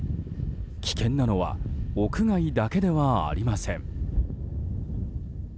危険なのは屋外だけではありません。